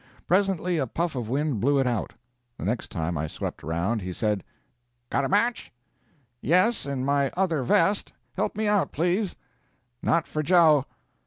Presently a puff of wind blew it out. The next time I swept around he said: "Got a match?" "Yes; in my other vest. Help me out, please." "Not for Joe."